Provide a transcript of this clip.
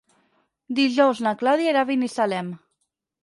Dijous na Clàudia irà a Binissalem.